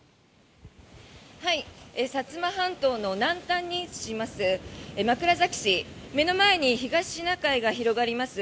薩摩半島の南端に位置します枕崎市目の前に東シナ海が広がります